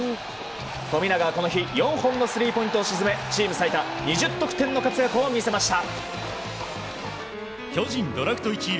富永はこの日４本のスリーポイントを沈めチーム最多２０得点の活躍を見せました。